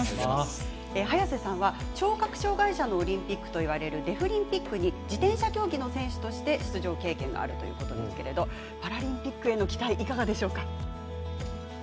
早瀬さんは聴覚障がい者のオリンピックといわれるデフリンピックに自転車競技の選手として出場経験があるということですけれどもパラリンピックへの期待いかがでしょうか？